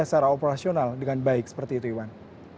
secara operasional dengan baik seperti itu iwan